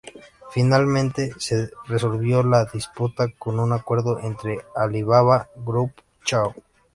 Finalmente se resolvió la disputa con un acuerdo entre Alibaba Group, Yahoo!